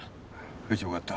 よしわかった。